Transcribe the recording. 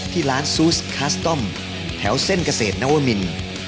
ที่ร้านซูสคาสตอมแถวเส้นเกษตรนวมิน